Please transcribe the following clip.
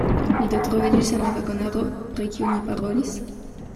Li do troviĝis en la vagonaro, pri kiu ni parolis?